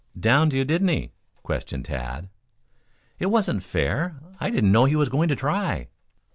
"Downed you, did he?" questioned Tad. "It wasn't fair. I didn't know he was going to try."